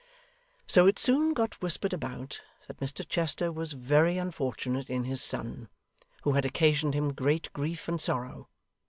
So, it soon got whispered about, that Mr Chester was very unfortunate in his son, who had occasioned him great grief and sorrow.